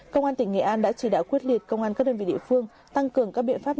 công an tỉnh nghệ an đã chỉ đạo quyết liệt công an các đơn vị địa phương tăng cường các biện pháp